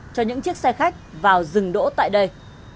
cho những chiếc xe khách vào dừng đỗ tại đây